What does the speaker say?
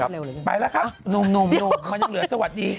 เนอะผ่านไปเร็วเลยไปแล้วครับมันยังเหลือสวัสดี